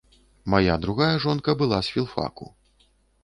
Мая другая жонка была з філфаку.